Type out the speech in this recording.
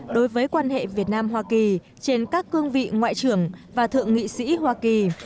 đối với quan hệ việt nam hoa kỳ trên các cương vị ngoại trưởng và thượng nghị sĩ hoa kỳ